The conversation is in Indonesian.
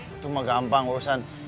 itu mah gampang urusan